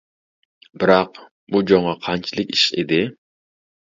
بىراق بۇ جونغا قانچىلىك ئىش ئىدى.